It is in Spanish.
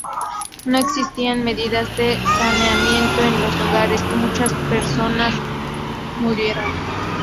No existían medidas de saneamiento en los hogares y muchas personas murieron.